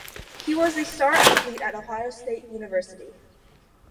He was a star athlete at Ohio State University.